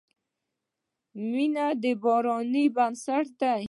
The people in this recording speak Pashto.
• مینه د یارانې بنسټ دی.